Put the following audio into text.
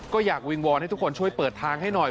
ก็อยากวิงวอนให้ทุกคนช่วยเปิดทางให้หน่อย